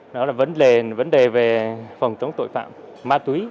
nó là vấn đề về phòng chống tội phạm ma túy